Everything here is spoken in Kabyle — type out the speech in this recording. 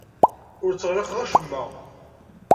Ur tteɣlaqeɣ acemma.